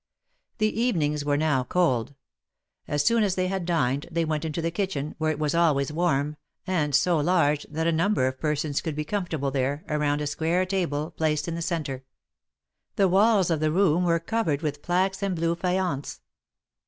The evenings were now cold. As soon as they had/ dined, they went into the kitchen, where it was always warm, and so large, that a number of persons could be comfortable there, around a square table, placed in the centre. The walls of the room were covered with plaques of blue faience.